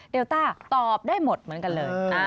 ต้าตอบได้หมดเหมือนกันเลย